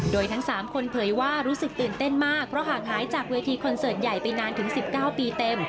โดยทั้ง๓คนเผยว่ารู้สึกตื่นเต้นมากเพราะหากหายจากเวทีคอนเสิร์ตใหญ่ไปนานถึง๑๙ปีเต็ม